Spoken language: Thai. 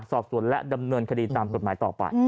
สอบสวนและดำเนินคดีตามกฎหมายต่อไป